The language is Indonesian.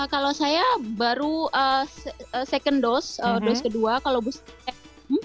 kalau saya baru second dose dose kedua kalau booster f satu